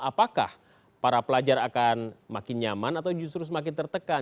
apakah para pelajar akan makin nyaman atau justru semakin tertekan